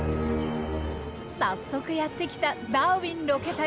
早速やって来たダーウィンロケ隊。